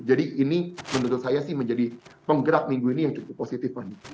jadi ini menurut saya sih menjadi penggerak minggu ini yang cukup positif fani